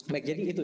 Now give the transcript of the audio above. baik jadi itu